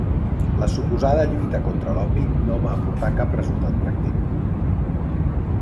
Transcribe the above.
La suposada lluita contra l'opi no va aportar cap resultat pràctic.